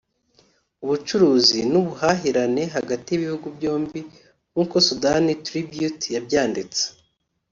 ubucuruzi n’ubuhahirane hagati y’ibihugu byombi nk’uko Sudani Tribute yabyanditse